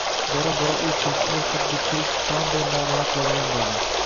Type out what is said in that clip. Bora-bora u kursiga xuddi tirik jonday muomala qiladigan bo`ldi